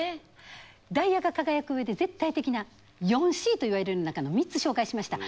ダイヤが輝く上で絶対的な４Ｃといわれる中の３つ紹介しました。